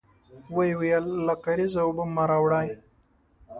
ويې ويل: له کارېزه اوبه مه راوړی!